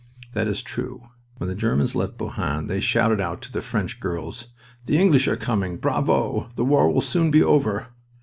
That is true. When the Germans left Bohain they shouted out to the French girls: "The English are coming. Bravo! The war will soon be over!"